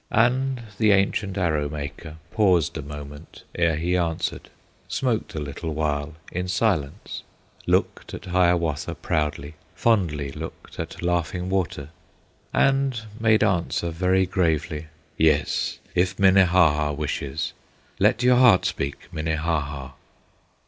And the ancient Arrow maker Paused a moment ere he answered, Smoked a little while in silence, Looked at Hiawatha proudly, Fondly looked at Laughing Water, And made answer very gravely: "Yes, if Minnehaha wishes; Let your heart speak, Minnehaha!"